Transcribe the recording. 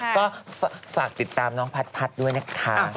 ก็ฝากติดตามพัทด้วยแน็ทค่ะ